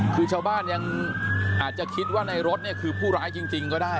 คือชาวบ้านยังอาจจะคิดว่าในรถเนี่ยคือผู้ร้ายจริงก็ได้